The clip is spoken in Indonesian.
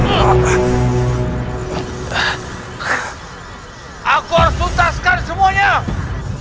aku harus luntaskan semuanya